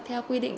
theo quy định